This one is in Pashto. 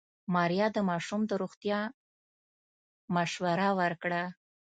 ماريا د ماشوم د روغتيا مشوره ورکړه.